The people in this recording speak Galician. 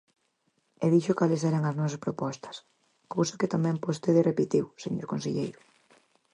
E dixo cales eran as nosas propostas, cousa que tamén vostede repetiu, señor conselleiro.